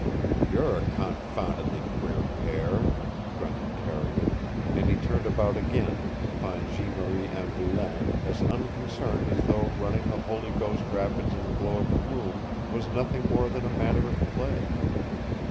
"You're a confoundedly queer pair!" grunted Carrigan, and he turned about again to find Jeanne Marie Anne Boulain as unconcerned as though running the Holy Ghost Rapids in the glow of the moon was nothing more than a matter of play.